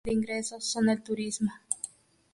Sus otras fuentes de ingresos son el Turismo.